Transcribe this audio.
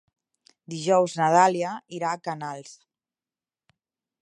Dijous na Dàlia irà a Canals.